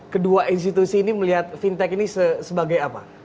kedua institusi ini melihat fintech ini sebagai apa